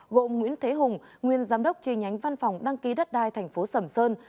gộ nguyễn thế hùng nguyên giám đốc chi nhánh văn phòng đăng ký đất đai tp sầm sơn